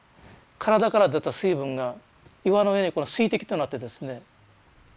体から出た水分が岩の上に水滴となってですね